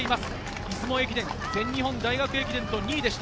出雲駅伝、全日本大学駅伝は２位でした。